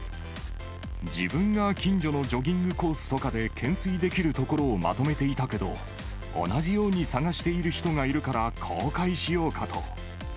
自分が近所のジョギングコースとかで懸垂できる所をまとめていたけど、同じように探している人がいるから、公開しようかと。